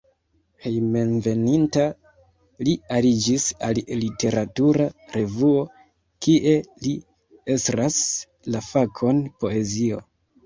Hejmenveninta li aliĝis al literatura revuo, kie li estras la fakon poezio.